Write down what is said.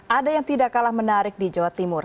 ada yang tidak kalah menarik di jawa timur